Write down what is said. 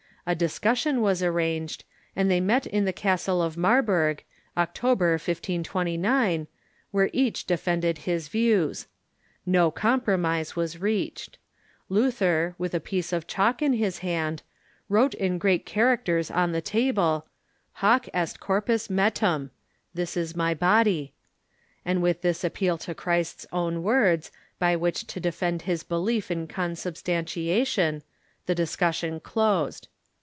A discussion was arranged, and they met in the Castle of Marburg, October, 1529, where each de fended his views. No compromise was reached. Luther, Avith 236 THE REFORMATION a piece of chalk in his hand, wrote in great characters on the table, " Hoc est corpus meum " (this is my body), and with this appeal to Christ's own words by which to defend his belief in consubstantiation, the discussion closed.